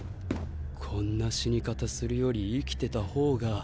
こんな死に方するより生きてた方が。